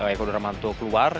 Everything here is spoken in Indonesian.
eko darmanto keluar